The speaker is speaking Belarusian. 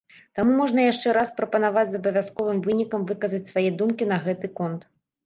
Таму можна яшчэ раз прапанаваць з абавязковым вынікам выказаць свае думкі на гэты конт.